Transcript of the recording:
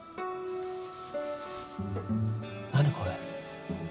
何これ？